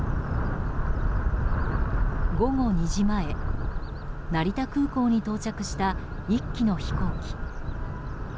午後２時前、成田空港に到着した１機の飛行機。